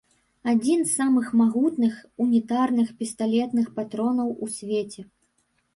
Адзін з самых магутных унітарных пісталетных патронаў у свеце.